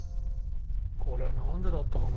これは何でだったかな？